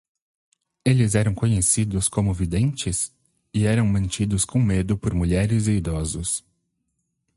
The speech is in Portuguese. Eles eram conhecidos como videntes? e eram mantidos com medo por mulheres e idosos.